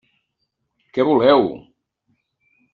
Què voleu?